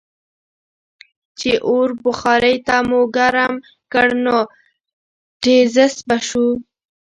چې اور بخارۍ ته مو ګرم کړ نو ټیزززز به شو.